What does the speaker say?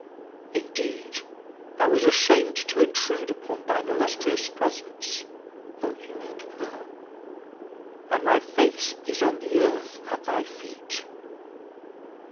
Indeed, I was ashamed to intrude upon thine illustrious presence, O unique pearl, and my face is on the earth at thy feet."